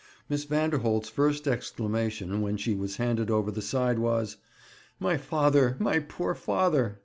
Miss Vanderholt's first exclamation, when she was handed over the side, was, 'My father! my poor father!'